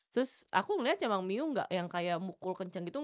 terus aku liat cuman miyu yang kayak mukul kenceng gitu